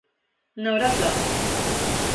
Nav radzāts.